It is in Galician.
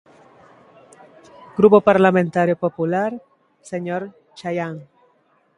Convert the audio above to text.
Grupo Parlamentario Popular, señor Chaián.